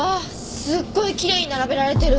すっごいきれいに並べられてる。